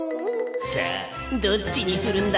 さあどっちにするんだ？